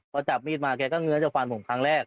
พอจับมีดมาแกก็เงื้อจะฟันผมครั้งแรก